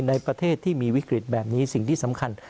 ในประเทศที่มีวิกฤตแบบนี้สิ่งที่สำคัญ